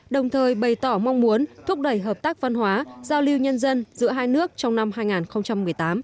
đồng thời bày tỏ mong muốn thúc đẩy hợp tác văn hóa giao lưu nhân dân giữa hai nước trong năm hai nghìn một mươi tám